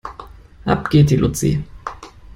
Ab geht die Luzi.